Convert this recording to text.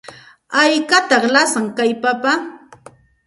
¿Haykataq lasan kay papa?